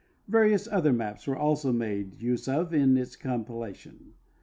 Various other maps were also made use of in its cominlation.